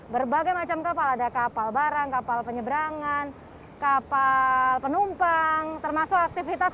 berbagai macam kapal ada kapal barang kapal penyeberangan kapal penumpang termasuk aktivitas